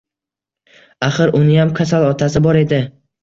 Axir uniyam kasal otasi bor edi